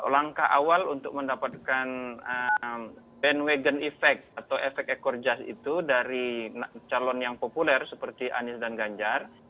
langkah awal untuk mendapatkan bandwagon effect atau efek ekor jas itu dari calon yang populer seperti anies dan ganjar